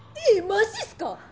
マジっすか？